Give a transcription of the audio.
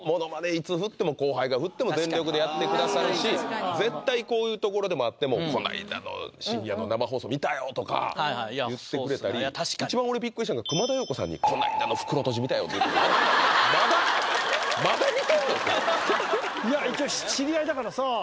いつ振っても後輩が振っても全力でやってくださるし絶対こういう所でも会っても「この間の深夜の生放送見たよ」とか言ってくれたり一番俺びっくりしたのが熊田曜子さんにまだまだ見てんの⁉いや一応知り合いだからさ